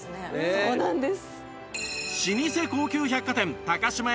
そうなんです。